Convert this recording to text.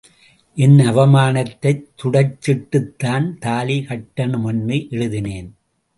என் அவமானத்தத் துடச்சிட்டுத்தான் தாலி கட்டணுமுன்னு எழுதினேன்.